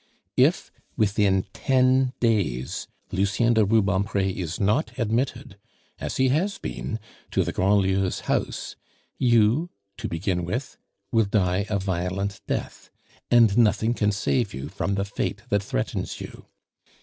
If, within ten days Lucien de Rubempre is not admitted, as he has been, to the Grandlieus' house, you, to begin with, will die a violent death, and nothing can save you from the fate that threatens you.